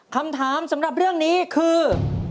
คำถามสำหรับเรื่องนี้คือ